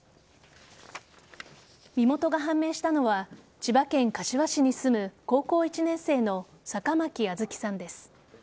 身元が判明したのは千葉県柏市に住む高校１年生の坂巻杏月さんです。